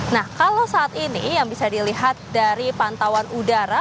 nah kalau saat ini yang bisa dilihat dari pantauan udara